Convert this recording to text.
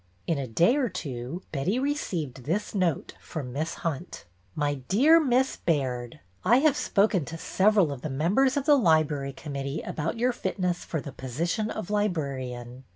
In a day or two Betty received this note from Miss Hunt: My dear Miss Baird, — I have spoken to several of the members of the Library Committee about your fitness for the position of librarian.